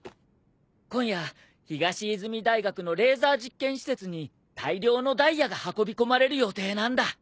今夜東泉大学のレーザー実験施設に大量のダイヤが運び込まれる予定なんだ。